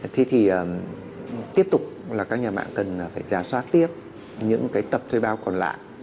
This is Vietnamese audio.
thế thì tiếp tục là các nhà mạng cần phải giả soát tiếp những cái tập thuê bao còn lại